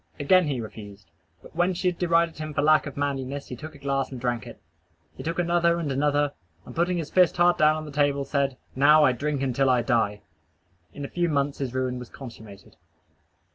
Again he refused. But when she had derided him for lack of manliness he took the glass and drank it. He took another and another; and putting his fist hard down on the table, said, "Now I drink until I die." In a few months his ruin was consummated.